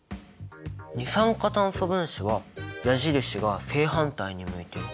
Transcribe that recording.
二酸化炭素分子は矢印が正反対に向いている。